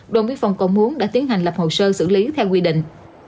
đồn biên phòng cầu muốn đã tiến hành lập hồ sơ xử lý theo quy định